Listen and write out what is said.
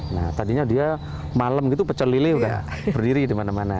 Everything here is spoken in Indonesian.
nah tadinya dia malam gitu pecel lili udah berdiri dimana mana